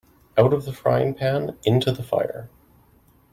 Out of the frying-pan into the fire.